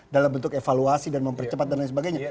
dalam bentuk evaluasi dan mempercepat dan lain sebagainya